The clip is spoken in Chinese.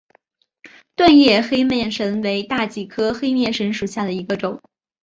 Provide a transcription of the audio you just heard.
钝叶黑面神为大戟科黑面神属下的一个种。